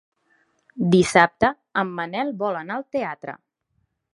Dissabte en Manel vol anar al teatre.